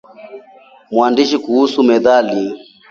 Maandishi kuhusu methali